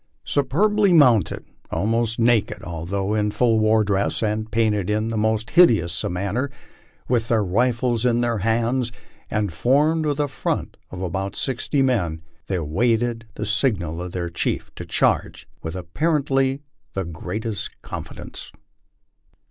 Superbly mounted, almost naked, although in full war dress, and painted in the most hideous manner, with their rifles in their hands, and formed with a front of about sixty men, they awaited the sig nal of their chief to charge, with apparently the greatest confidence.